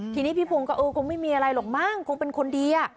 ทีนี้พี่พงศ์ก็เออคงไม่มีอะไรหรอกมั้งคงเป็นคนดี